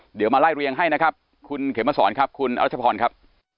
เดี๋ยวมาไล่เรียงให้นะครับคุณเขมสอนครับคุณรัชพรครับ